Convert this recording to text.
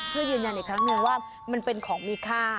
เพื่อยืนยันอีกครั้งนึงว่ามันเป็นของมีค่า